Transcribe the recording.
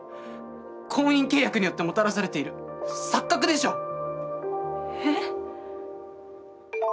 婚姻契約によってもたらされている錯覚でしょう？え？